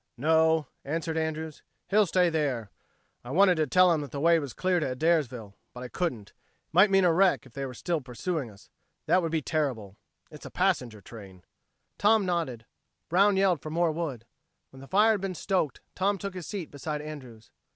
"No," answered Andrews. "He'll stay there. I wanted to tell him that the way was clear to Adairsville ... but I couldn't. It might mean a wreck, if they are still pursuing us. That would be terrible it's a passenger train." Tom nodded. Brown yelled for more wood. When the fire had been stoked, Tom took his seat beside Andrews.